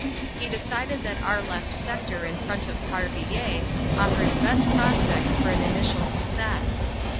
He decided that our left sector in front of Parvillers, offered best prospects for an initial success.